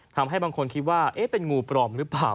ทำให้บางคนคิดว่าเป็นงูปลอมหรือเปล่า